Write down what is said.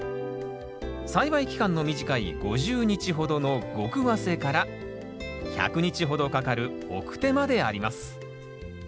栽培期間の短い５０日ほどの極早生から１００日ほどかかる晩生まであります